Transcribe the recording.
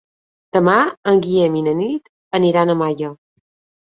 Demà en Guillem i na Nit aniran a Malla.